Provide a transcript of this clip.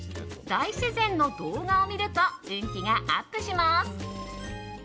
大自然の動画を見ると運気がアップします。